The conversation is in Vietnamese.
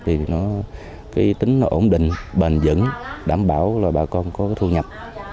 thì tính nó ổn định bền dẫn đảm bảo là bà con có thu nhập